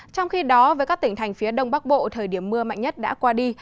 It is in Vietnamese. trong khi đó với các tỉnh thành phía đông bắc bộ thời điểm mưa mạnh nhất đã qua đi